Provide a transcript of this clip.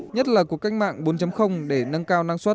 nhất là cuộc cách mạng bốn để nâng cao năng suất